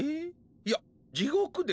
いや「地獄」ですね。